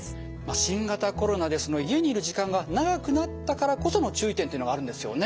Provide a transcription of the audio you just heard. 新型コロナで家にいる時間が長くなったからこその注意点というのがあるんですよね。